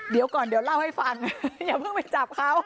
เดี๋ยวก่อนเดี๋ยวเล่าให้ฟังอย่าเพิ่งไปจับเขา